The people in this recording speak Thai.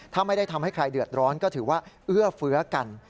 ถ้าไม่ได้ทำให้ใครเดือดร้อนก็ถือว่าเอื้อเฟื้อกัน